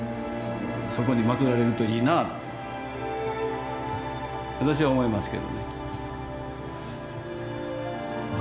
そこにまつられるといいなって私は思いますけどね。